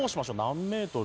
何メートル。